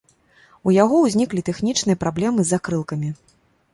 У яго ўзніклі тэхнічныя праблемы з закрылкамі.